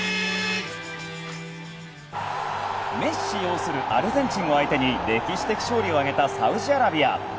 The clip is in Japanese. メッシ擁するアルゼンチンを相手に歴史的勝利を挙げたサウジアラビア。